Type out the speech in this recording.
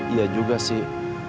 iya juga sih